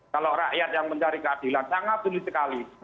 kalau rakyat yang mencari keadilan sangat sulit sekali